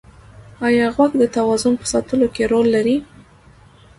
ایا غوږ د توازن په ساتلو کې رول لري؟